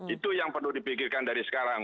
itu yang perlu dipikirkan dari sekarang